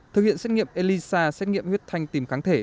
thực hiện xét nghiệm elisa xét nghiệm huyết thanh tìm kháng thể